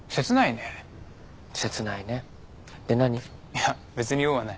いや別に用はない。